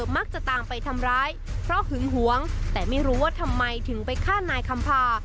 มักจะตามไปทำร้ายเพราะหึงหวงแต่ไม่รู้ว่าทำไมถึงไปฆ่านายคำพา